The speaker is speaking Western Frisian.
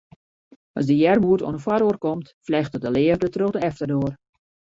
As de earmoed oan 'e foardoar komt, flechtet de leafde troch de efterdoar.